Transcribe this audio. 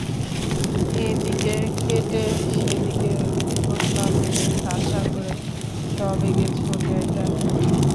এদিকে কেটে সেদিকে গোঁত্তা মেরে শাঁ শাঁ করে সবেগে ছোটে টেম্পো।